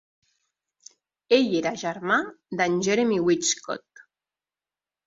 Ell era germà de"n Jeremy Whichcote.